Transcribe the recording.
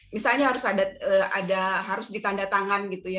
misalnya harus ada harus ditanda tangan gitu ya